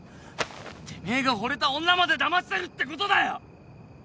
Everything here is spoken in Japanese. てめえがほれた女までだましてるってことだよ！